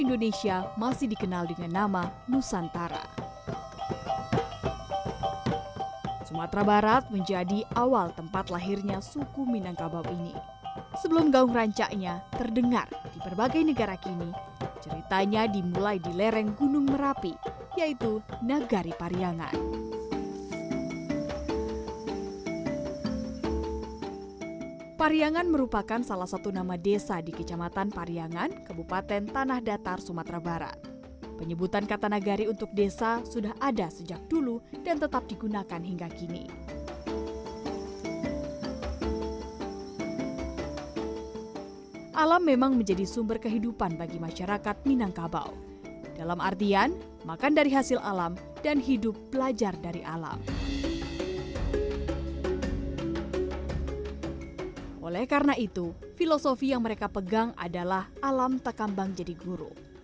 oleh karena itu filosofi yang mereka pegang adalah alam takambang jadi guru